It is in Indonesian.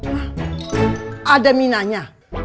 mak ada minanya